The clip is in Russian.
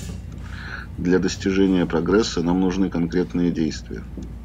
Для достижения прогресса нам нужны конкретные действия.